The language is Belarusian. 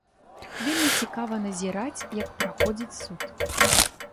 Вельмі цікава назіраць, як праходзіць суд.